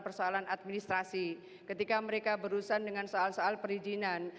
persoalan administrasi ketika mereka berurusan dengan soal soal perizinan